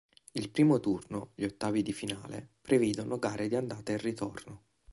Il primo turno, gli ottavi di finale, prevedono gare di andata e ritorno.